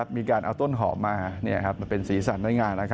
มีการเอาต้นหอมมามาเป็นสีสันได้งาน